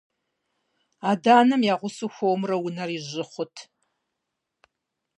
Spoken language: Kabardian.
Адэ-анэм я гъусэу хуэмурэ унэри жьы хъурт.